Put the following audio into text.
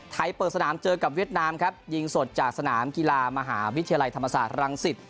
เปิดสนามเจอกับเวียดนามครับยิงสดจากสนามกีฬามหาวิทยาลัยธรรมศาสตร์รังสิต